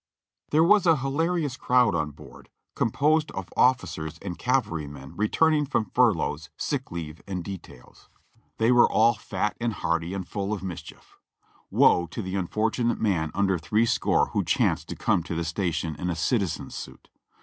There was a hilarious crowd on board, composed of officers and cavalrymen returning from furloughs, sick leave and details. 380 JOHNNY REB AND BIIvIyY YANK They were all fat and hearty and full of mischief. Woe to the unfortunate man under three score who chanced to come to the station in a citizen's suit.